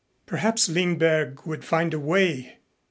Perhaps Lindberg would find a way.